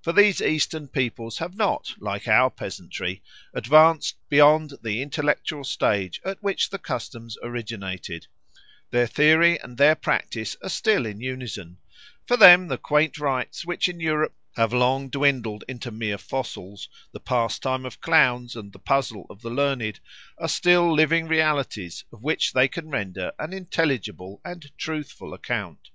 For these Eastern peoples have not, like our peasantry, advanced beyond the intellectual stage at which the customs originated; their theory and their practice are still in unison; for them the quaint rites which in Europe have long dwindled into mere fossils, the pastime of clowns and the puzzle of the learned, are still living realities of which they can render an intelligible and truthful account.